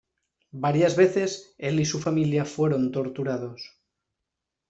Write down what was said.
Varias veces el y su familia, fueron torturados.